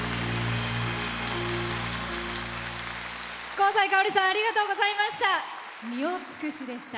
香西かおりさんありがとうございました。